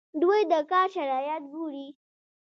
دوی د کار شرایط ګوري.